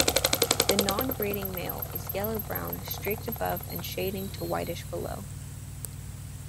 The non-breeding male is yellow-brown, streaked above and shading to whitish below.